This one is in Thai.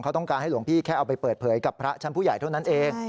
เขาต้องการให้หลวงพี่แค่เอาไปเปิดเผยกับพระชั้นผู้ใหญ่เท่านั้นเอง